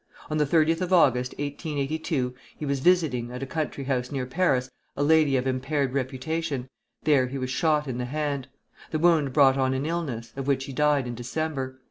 On the 30th of August, 1882, he was visiting, at a country house near Paris, a lady of impaired reputation; there he was shot in the hand. The wound brought on an illness, of which he died in December.